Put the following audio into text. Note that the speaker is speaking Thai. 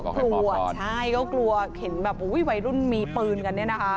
กลัวใช่ก็กลัวเห็นแบบวัยรุ่นมีปืนกันเนี่ยนะคะ